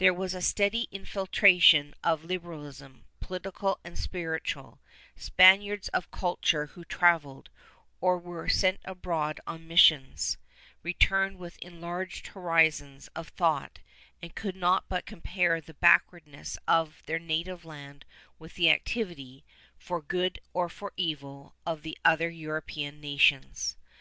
/There was a steady infiltration of liberalism, political and spiritual; Spaniards of culture who travelled, or who were sent abroad on missions, returned with enlarged horizons of thought, and could not but compare the backwardness of their native land with the activity, for good or for evil, of the other European nations.